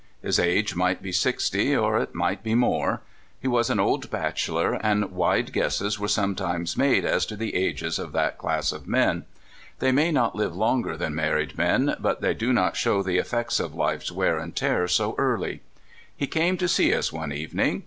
His age might be sixty, or it might be more. He was an old bachelor, and wide guesses are sometimes made as to the ages of that class of men. They may not live longer than mar ried men, but they do not show the effects of life's wear and tear so early. He came to see us one evening.